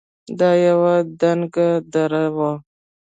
دا يوه تنگه دره وه.